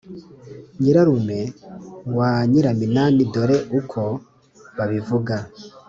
nyirarume wa nyiraminani dore uko babivuga.